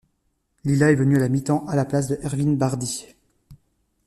Lila est venu à la mi-temps à la place de Ervin Bardhi.